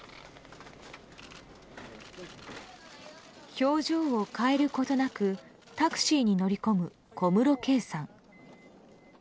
表情を変えることなくタクシーに乗り込む小室圭さん。